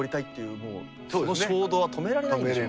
もうその衝動は止められないんでしょうね。